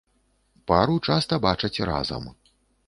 Пару часта бачаць разам.